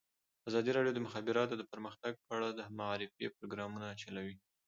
ازادي راډیو د د مخابراتو پرمختګ په اړه د معارفې پروګرامونه چلولي.